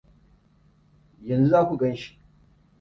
Yanzu za ku ganshi.